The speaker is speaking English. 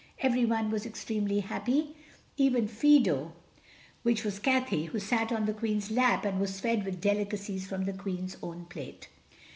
Everyone was extremely happy, even Fido which was Cathay, who sat on the Queen's lap and was fed with delicacies from the Queen's own plate.